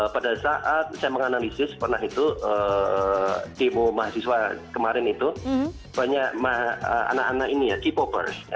pada saat saya menganalisis pernah itu demo mahasiswa kemarin itu banyak anak anak ini ya k popers